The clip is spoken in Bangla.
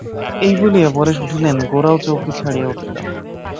এই বলিয়া পরেশ উঠিলেন, গোরাও চৌকি ছাড়িয়া উঠিল।